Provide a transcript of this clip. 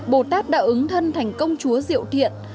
bồ tát đã ứng thân thành công chúa diệu thiện